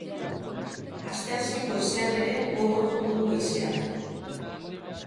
Asteazken goizean ere gogor joko du haizeak.